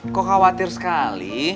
kok khawatir sekali